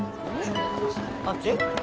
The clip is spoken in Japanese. ・あっち？